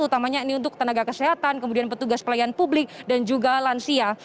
utamanya ini untuk tenaga kesehatan kemudian petugas pelayan publik dan juga lansia